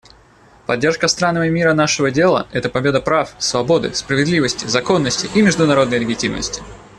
Поддержка странами мира нашего дела — это победа прав, свободы, справедливости, законности и международной легитимности.